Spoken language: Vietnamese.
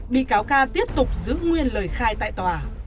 bị cáo ca tiếp tục giữ nguyên lời khai tại tòa